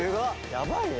「やばいね」